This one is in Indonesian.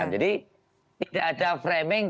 jadi tidak ada framing